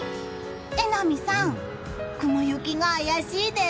榎並さん、雲行きが怪しいです。